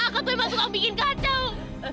akang tuh yang masuk akang bikin kacau